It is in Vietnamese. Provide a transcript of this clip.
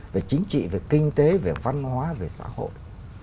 về chính trị về kinh tế về văn hóa về xã hội